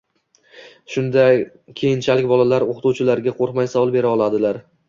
Shunda keyinchalik bolalar o‘qituvchilariga qo‘rqmay savol bera oladilar